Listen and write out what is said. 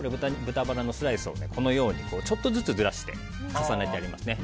豚バラのスライスをこのようにちょっとずつずらして重ねてあります。